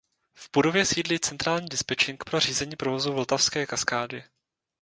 V budově sídlí centrální dispečink pro řízení provozu Vltavské kaskády.